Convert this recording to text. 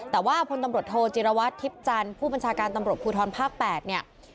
แต่ว่าพลตำรวจโทจิรวัตรทิพย์จันทร์ผู้บัญชาการตำรวจภูทรภาค๘เนี่ย